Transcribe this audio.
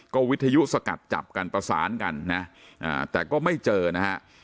ก็วิทยุสกัดจับกันประสานกันนะแต่ก็ไม่เจอนะฮะ